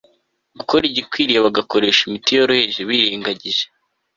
gukora igikwiriye bagakoresha imiti yoroheje birengagije